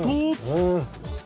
うん。